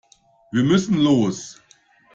Wir müssen los.